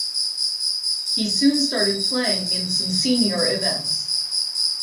He soon started playing in some senior events.